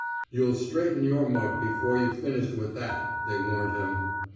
You'll straighten your mug before youVe finished with that, they warned him.